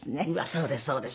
そうですそうです。